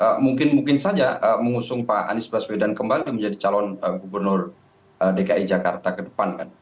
ya mungkin mungkin saja mengusung pak anies baswedan kembali menjadi calon gubernur dki jakarta ke depan kan